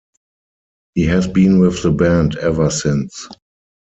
He has been with the band ever since.